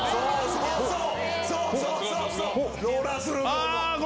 そうそう！